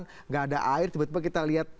tidak ada air tiba tiba kita lihat